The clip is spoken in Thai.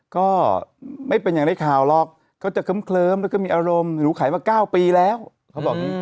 ก็ไม่เป็นอย่างในข่าวหรอกก็จะเคิ้มเคลิมแล้วก็มีอารมณ์หนูขายมา๙ปีแล้วเค้าบอก